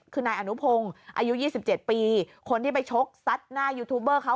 คือนายอนุพงศ์อายุ๒๗ปีคนที่ไปชกซัดหน้ายูทูบเบอร์เขา